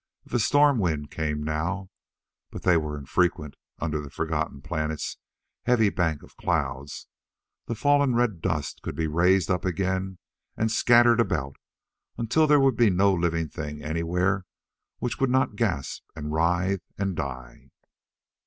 If a storm wind came now but they were infrequent under the forgotten planet's heavy bank of clouds the fallen red dust could be raised up again and scattered about until there would be no living thing anywhere which would not gasp and writhe and die.